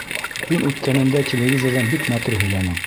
Һин үткәнендә телевизорҙан бик матур һөйләнең.